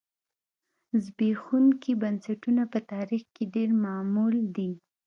زبېښونکي بنسټونه په تاریخ کې ډېر معمول دي.